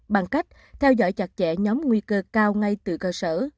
bằng cách theo dõi chặt chẽ nhóm nguy cơ cao ngay từ cơ sở